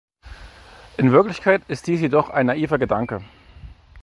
In Wirklichkeit ist dies jedoch ein naiver Gedanke.